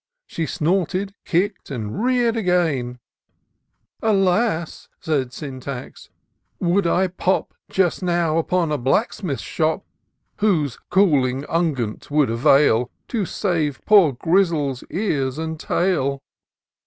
She snorted, kick*d, and rear*d again :" Alas !" said Syntax, " could I pop Just nbw, upon a blacksmith's shop, Whose cooling unguent would avail To save poor Grizzle's ears and tail